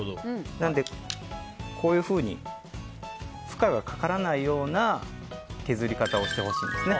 なので、負荷がかからないような削り方をしてほしいんですね。